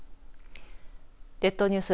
列島ニュース